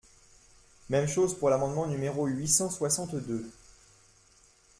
Même chose pour l’amendement numéro huit cent soixante-deux.